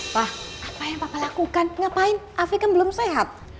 pak apa yang papa lakukan ngapain afif kan belum sehat